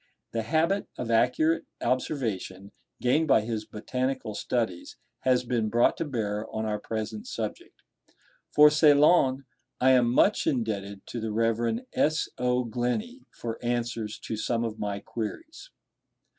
The habit of accurate observation, gained by his botanical studies, has been brought to bear on our present subject. For Ceylon I am much indebted to the Rev. S. O. Glenie for answers to some of my queries.